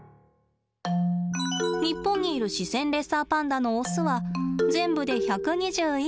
日本にいるシセンレッサーパンダのオスは全部で１２１頭です。